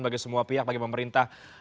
bagi semua pihak bagi pemerintah